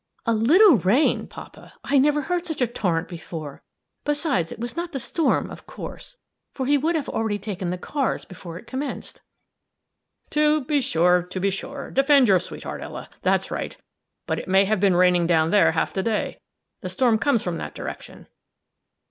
"A little rain, papa! I never heard such a torrent before; besides, it was not the storm, of course, for he would have already taken the cars before it commenced." "To be sure! to be sure! defend your sweetheart, Ella that's right! But it may have been raining down there half the day the storm comes from that direction.